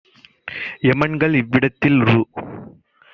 எமன்கள் இவ்விடத்தில்!ரு